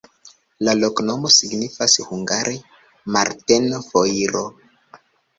La loknomo signifas hungare: Marteno-foiro.